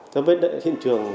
giống với hiện trường